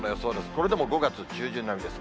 これでも５月中旬並みです。